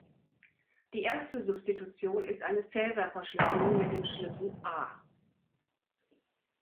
Die erste Substitution ist eine Caesar-Verschlüsselung mit dem Schlüssel „A“.